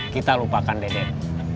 kita lupakan dedek